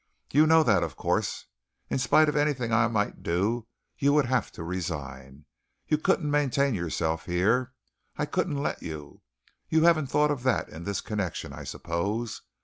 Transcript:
You know that, of course. In spite of anything I might do you would have to resign. You couldn't maintain yourself here. I couldn't let you. You haven't thought of that in this connection, I suppose.